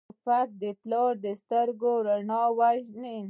توپک د پلار د سترګو رڼا وژني.